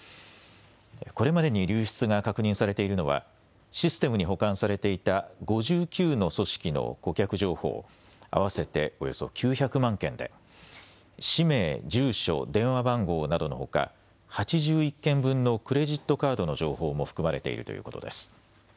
これまでに流出が確認されているのはシステムに保管されていた５９の組織の顧客情報合わせておよそ９００万件で氏名、住所、電話番号などのほか８１件分のクレジットカードの情報も含まれているということです。